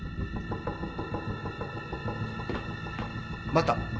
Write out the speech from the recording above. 待った。